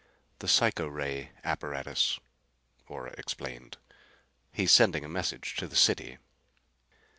"The psycho ray apparatus." Ora explained. "He's sending a message to the city."